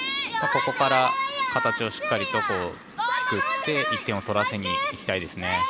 ここから形をしっかりと作って１点を取らせにいきたいですね。